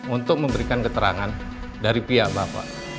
untuk memberikan keterangan dari pihak bapak